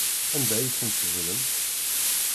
Anda ay ten-tedlemt?